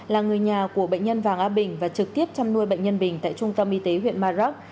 là người nhà của bệnh nhân vàng a bình và trực tiếp chăm nuôi bệnh nhân bình tại trung tâm y tế huyện maroc